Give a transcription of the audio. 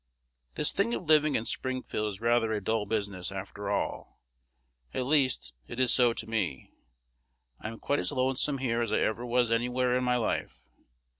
This thing of living in Springfield is rather a dull business, after all; at least, it is so to me. I am quite as lonesome here as I ever was anywhere in my life.